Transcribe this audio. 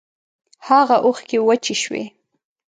هاغه اوښکی وچې شوې